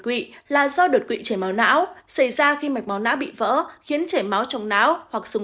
quỵ là do đột quỵ chảy máu não xảy ra khi mạch máu não bị vỡ khiến chảy máu trong não hoặc súng